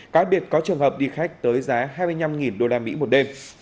có biết có trường hợp đi khách tới giá hai mươi năm usd